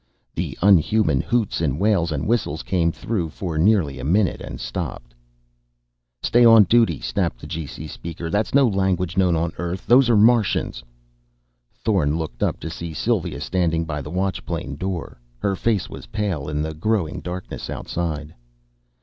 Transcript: The unhuman hoots and wails and whistles came through for nearly a minute, and stopped. "Stay on duty!" snapped the G.C. speaker. "That's no language known on earth. Those are Martians!" Thorn looked up to see Sylva standing by the Watch plane door. Her face was pale in the growing darkness outside.